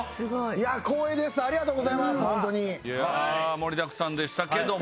盛りだくさんでしたけども。